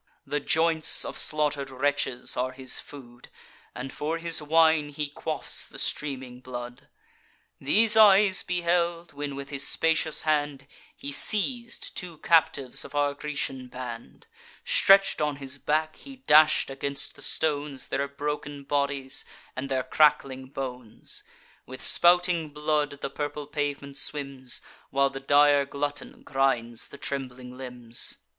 The joints of slaughter'd wretches are his food; And for his wine he quaffs the streaming blood. These eyes beheld, when with his spacious hand He seiz'd two captives of our Grecian band; Stretch'd on his back, he dash'd against the stones Their broken bodies, and their crackling bones: With spouting blood the purple pavement swims, While the dire glutton grinds the trembling limbs.